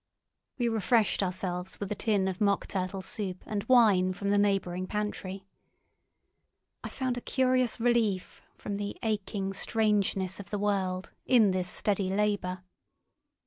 We refreshed ourselves with a tin of mock turtle soup and wine from the neighbouring pantry. I found a curious relief from the aching strangeness of the world in this steady labour.